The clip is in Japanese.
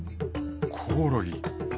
コオロギ。